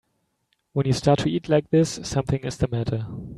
When you start to eat like this something is the matter.